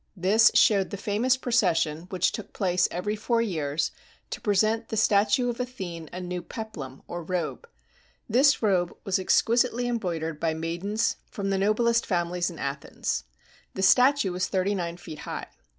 This showed the famous procession which took place every four years to present to the statue of Athene a new peplum, or robe. This robe was exquisitely embroidered by maidens from the noblest 124 PERICLES AND HIS AGE families in Athens. The statue was thirty nine feet high.